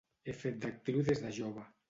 Ha fet d'actriu des de jove.